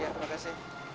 iya terima kasih